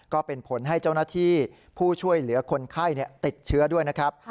ก็เป็นผลให้เจ้าหน้าที่ผู้ช่วยเหลือคนไข้ติดเชื้อด้วยนะครับ